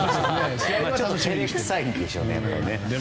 ちょっと照れくさいんでしょうね。